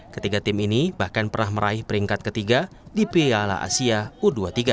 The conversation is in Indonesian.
ketiga tim ini bahkan pernah meraih peringkat ketiga di piala asia u dua puluh tiga